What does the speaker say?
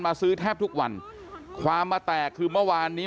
ซื้อแทบทุกวันความมาแตกคือเมื่อวานนี้